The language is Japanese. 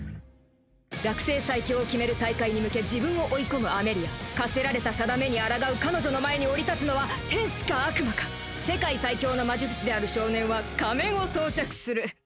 学生最強を決める大会に向け自分を追い込むアメリア課せられたさだめにあらがう彼女の前に降り立つのは天使か悪魔か「世界最強の魔術師である少年は、仮面を装着する」